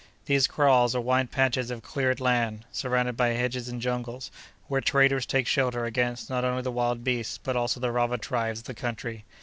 These kraals are wide patches of cleared land, surrounded by hedges and jungles, where traders take shelter against not only the wild beasts, but also the robber tribes of the country.